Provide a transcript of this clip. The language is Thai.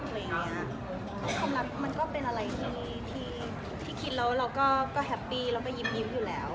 ความรักมันก็เป็นอะไรที่คิดแล้วเราก็แฮปปี้แล้วก็ยิ้มอยู่แล้ว